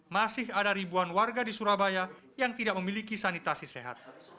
masih ada ribuan warga di surabaya yang tidak memiliki sanitasi sehat